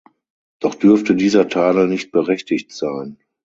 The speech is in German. Doch dürfte dieser Tadel nicht berechtigt sein.